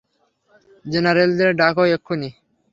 জেনারেলদের ডাকো, এক্ষুনি।